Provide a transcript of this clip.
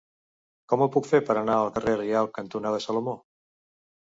Com ho puc fer per anar al carrer Rialb cantonada Salomó?